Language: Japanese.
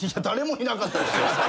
誰もいなかったですよ。